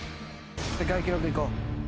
世界記録いこう。